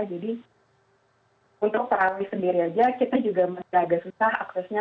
jadi untuk parawi sendiri saja kita juga agak susah aksesnya